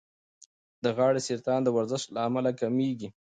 د غاړې سرطان د ورزش له امله کمېږي.